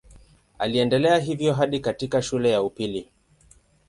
Aliendelea hivyo hadi katika shule ya upili.